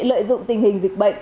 lợi dụng tình hình dịch bệnh